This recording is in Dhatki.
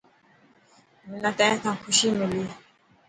منان تين سان خوشي ملي.